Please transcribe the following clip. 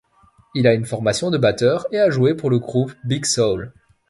Il a une formation de batteur et a joué pour le groupe Big Soul.